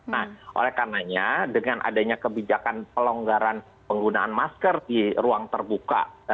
nah oleh karenanya dengan adanya kebijakan pelonggaran penggunaan masker di ruang terbuka